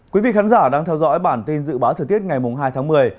quý vị khán giả đang theo dõi bản tin dự báo thời tiết ngày hai tháng một mươi